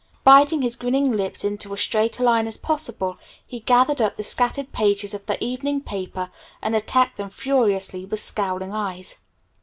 Biting his grinning lips into as straight a line as possible, he gathered up the scattered pages of the evening paper and attacked them furiously with scowling eyes.